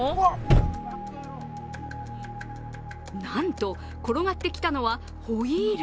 なんと転がってきたのはホイール。